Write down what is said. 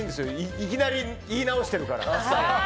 いきなり言い直してるから。